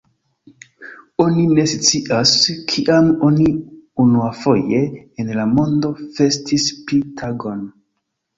Oni ne scias, kiam oni unuafoje en la mondo festis Pi-tagon.